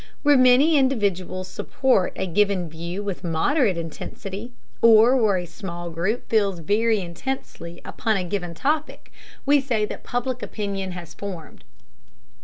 Where many individuals support a given view with moderate intensity, or where a small group feels very intensely upon a given topic, we say that Public Opinion has formed.